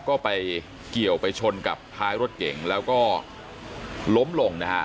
ก็ไปเกี่ยวไปชนกับท้ายรถเก่งแล้วก็ล้มลงนะฮะ